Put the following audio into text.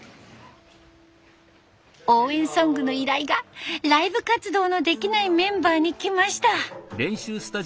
応援ソングの依頼がライブ活動のできないメンバーにきました。